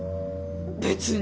別に？